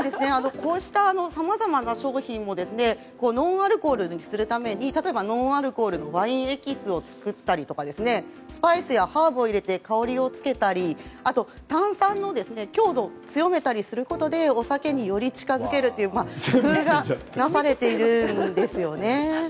こうしたさまざまな商品をノンアルコールにするために例えば、ノンアルコールのワインエキスを作ったりスパイスやハーブを入れて香りをつけたりあと炭酸の強度を強めたりすることでお酒に、より近づけるという工夫がなされているんです。